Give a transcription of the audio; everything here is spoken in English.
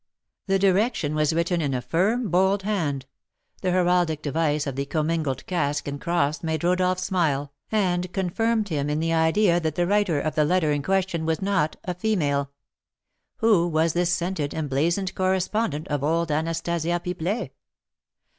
The direction was written in a firm, bold hand. The heraldic device of the commingled casque and cross made Rodolph smile, and confirmed him in the idea that the writer of the letter in question was not a female. Who was this scented, emblazoned correspondent of old Anastasia Pipelet?